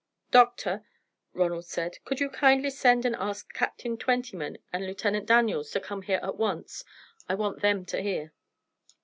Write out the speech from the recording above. "Doctor," Ronald said, "could you kindly send and ask Captain Twentyman and Lieutenant Daniels to come here at once? I want them to hear."